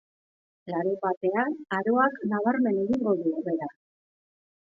Larunbatean, aroak nabarmen egingo du hobera.